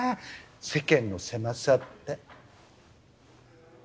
世間の狭さって。